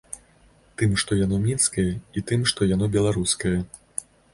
Тым, што яно мінскае, і тым, што яно беларускае.